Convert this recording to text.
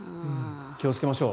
気をつけましょう。